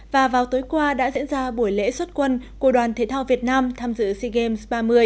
và vào tối qua đã diễn ra buổi lễ xuất quân của đoàn thể thao việt nam tham dự sea games ba mươi